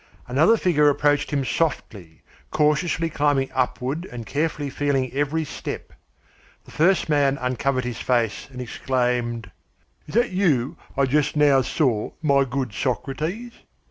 Another figure approached him softly, cautiously climbing upward and carefully feeling every step. The first man uncovered his face and exclaimed: "Is that you I just now saw, my good Socrates?